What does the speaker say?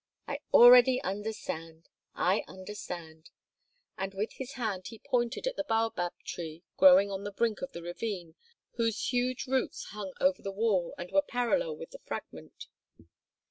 I already understand, I understand!" And with his hand he pointed at a baobab tree growing on the brink of the ravine whose huge roots hung over the wall and were parallel with the fragment.